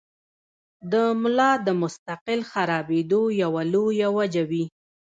د ملا د مستقل خرابېدو يوه لويه وجه وي -